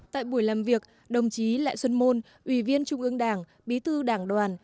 tại buổi làm việc đồng chí lại xuân môn ủy viên trung ương đảng bí thư đảng đoàn